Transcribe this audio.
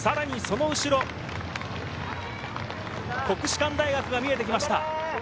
その後ろ、国士舘大学が見えてきました。